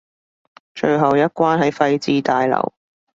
最後一關喺廢置大樓